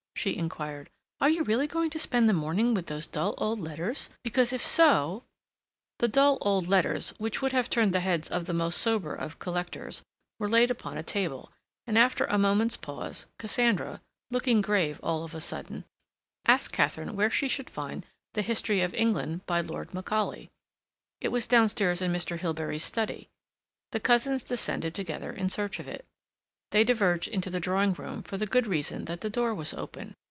she inquired. "Are you really going to spend the morning with those dull old letters, because if so—" The dull old letters, which would have turned the heads of the most sober of collectors, were laid upon a table, and, after a moment's pause, Cassandra, looking grave all of a sudden, asked Katharine where she should find the "History of England" by Lord Macaulay. It was downstairs in Mr. Hilbery's study. The cousins descended together in search of it. They diverged into the drawing room for the good reason that the door was open.